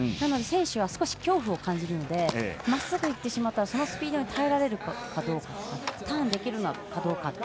なので選手は少し恐怖を感じるのでまっすぐいってしまったらそのスピードに耐えられるかどうかターンできるかどうか。